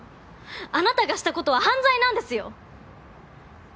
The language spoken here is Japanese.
あなたがしたことは犯罪なんですよ？